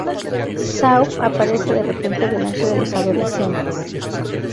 Shaw aparece de repente delante de los adolescentes.